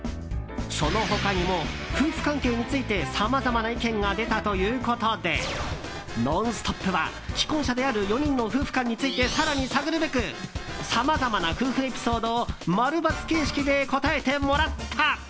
その他にも夫婦関係についてさまざまな意見が出たということで「ノンストップ！」は既婚者である４人の夫婦観について更に探るべくさまざまな夫婦エピソードを○×形式で答えてもらった。